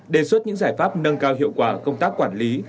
đề xuất những giải pháp nâng cao hiệu quả công tác quản lý